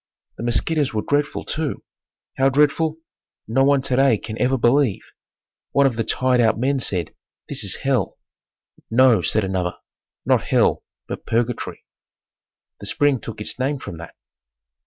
The mosquitoes were dreadful, too. How dreadful, no one today can ever believe. One of the tiredout men said, "This is Hell!" "No," said another, "Not Hell, but Purgatory." The spring took its name from that.